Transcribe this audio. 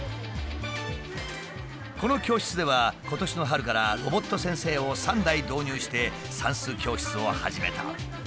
この教室では今年の春からロボット先生を３台導入して算数教室を始めた。